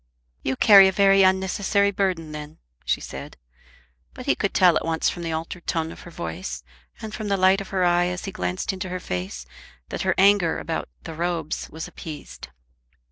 "You carry a very unnecessary burden then," she said. But he could tell at once from the altered tone of her voice, and from the light of her eye as he glanced into her face, that her anger about "The Robes" was appeased.